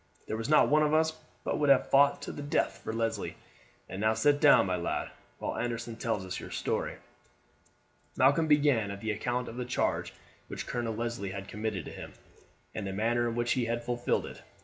"There was not one of us but would have fought to the death for Leslie. And now sit down, my lad, while Anderson tells us your story." Malcolm began at the account of the charge which Colonel Leslie had committed to him, and the manner in which he had fulfilled it.